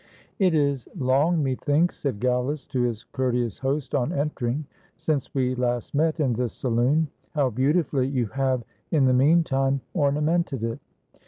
"It is long, methinks," said Gallus to his courteous host, on entering, "since we last met in this saloon ; how beautifully you have in the mean time orna mented it